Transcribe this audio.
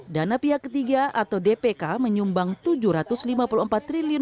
dana pihak ketiga atau dpk menyumbang rp tujuh ratus lima puluh empat triliun